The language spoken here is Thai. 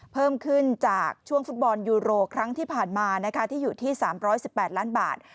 เพิ่มขึ้นจากช่วงฟุตบอลยูโรครั้งที่ผ่านมาที่อยู่ที่๓๑๘ล้านบาท